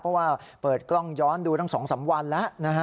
เพราะว่าเปิดกล้องย้อนดูตั้ง๒๓วันแล้วนะฮะ